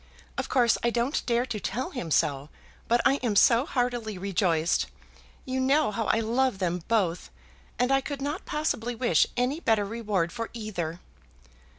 Of course I don't dare to tell him so, but I am so heartily rejoiced. You know how I love them both, and I could not possibly wish any better reward for either."